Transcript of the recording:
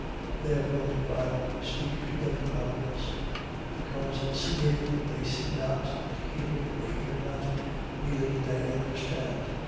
13:13. Therefore do I speak to them in parables: because seeing they see not, and hearing they hear not, neither do they understand.